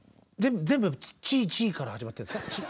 全部「ちい」「ちい」から始まってるんですか？